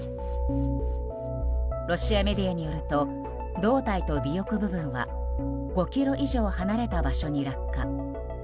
ロシアメディアによると胴体と尾翼部分は５ｋｍ以上離れた場所に落下。